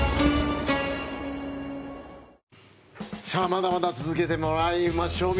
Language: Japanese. まだまだ続けてもらいましょう。